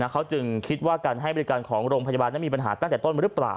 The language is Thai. เขาจึงคิดว่าการให้บริการของโรงพยาบาลนั้นมีปัญหาตั้งแต่ต้นหรือเปล่า